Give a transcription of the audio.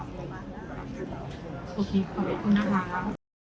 โอเคขอบคุณค่ะ